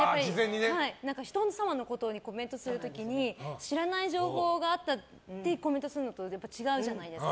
人様のことにコメントする時に知らない情報があってコメントするのはやっぱり違うじゃないですか。